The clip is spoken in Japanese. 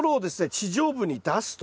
地上部に出すと。